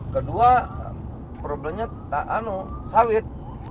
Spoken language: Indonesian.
kedua problemnya sawit